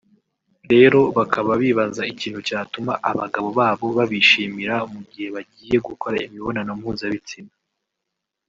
rero bakaba bibaza ikintu cyatuma abagabo babo babishimira mu ghe bagiye gukora imibonano mpuzabitsina